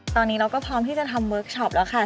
ตอนนี้เราก็พร้อมที่จะทำเวิร์คชอปแล้วค่ะ